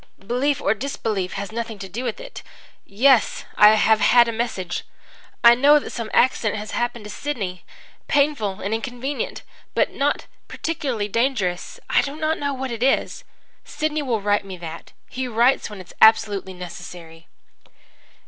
'Belief or disbelief has nothing to do with it. Yes, I have had a message. I know that some accident has happened to Sidney painful and inconvenient but not particularly dangerous. I do not know what it is. Sidney will write me that. He writes when it is absolutely necessary.'